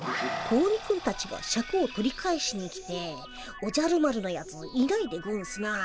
子鬼君たちがシャクを取り返しに来て「おじゃる丸のやついないでゴンスな」。